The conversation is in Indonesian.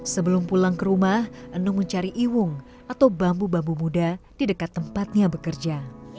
sebelum pulang ke rumah enung mencari iwung atau bambu bambu muda di dekat tempatnya bekerja